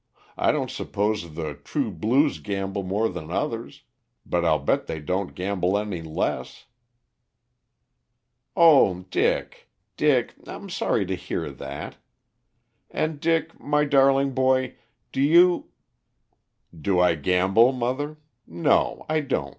I don't suppose the True Blues gamble more than others, but I'll bet they don't gamble any less." "Oh, Dick, Dick, I'm sorry to hear that. And, Dick, my darling boy, do you " "Do I gamble, mother? No, I don't.